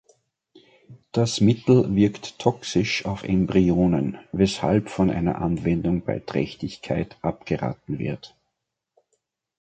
Das Mittel wirkt toxisch auf Embryonen, weshalb von einer Anwendung bei Trächtigkeit abgeraten wird.